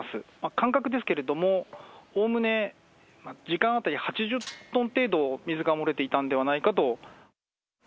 感覚ですけれども、おおむね時間当たり８０トン程度水が漏れていたのではないかと。